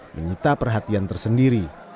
menyita perhatian tersendiri